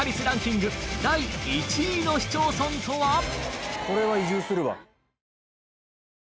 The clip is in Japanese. ランキング第１位の市町村とは？